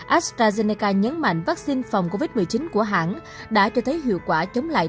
astrazeneca nhấn mạnh vaccine phòng covid một mươi chín của hãng đã cho thấy hiệu quả chống lại